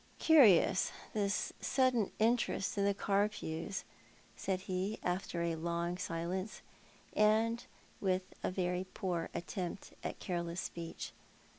"Curious, this sudden interest in the Carpews," said he, after a long silence, and with a very poor attempt at careless speech.